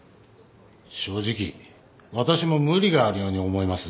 正直私も無理があるように思いますね。